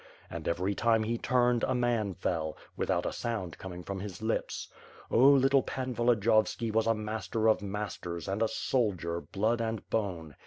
And every time he turned, a man fell, without a sound coming from his lips. Oh, little Pan Volodiyovski was a master of masters and a soldier, blood and bone.